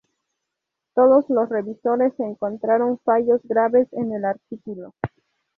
Todos los revisores encontraron fallos graves en el artículo.